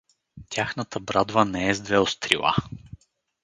Тяхната брадва не е с две острила.